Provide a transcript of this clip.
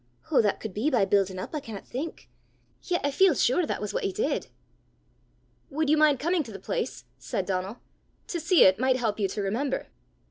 Hoo that could be by buildin' up, I canna think! Yet I feel sure that was what he did!" "Would you mind coming to the place?" said Donal. "To see it might help you to remember."